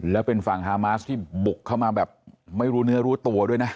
แล้วเป็นฝั่งฮามาสที่บุกเข้ามาแบบไม่รู้เนื้อรู้ตัวด้วยนะ